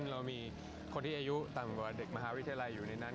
เรามีคนที่อายุต่ำกว่าเด็กมหาวิทยาลัยอยู่ในนั้น